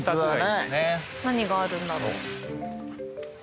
何があるんだろう？